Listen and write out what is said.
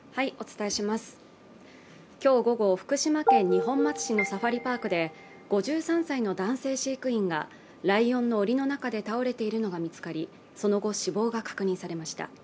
今日午後、福島県二本松市のサファリパークで５３歳の男性飼育員がライオンのおりの中で倒れているのが見つかりその後、死亡が確認されました。